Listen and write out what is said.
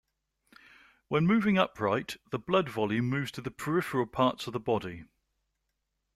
When moving upright, the blood volume moves to the peripheral parts of the body.